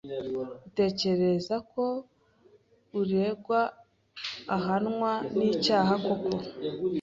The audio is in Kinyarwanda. Utekereza ko uregwa ahamwa n'icyaha koko?